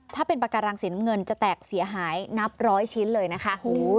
ถ้าเป็นปากการังสีน้ำเงินจะแตกเสียหายนับร้อยชิ้นเลยนะคะ